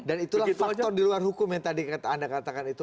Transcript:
dan itulah faktor di luar hukum yang tadi kata anda katakan itu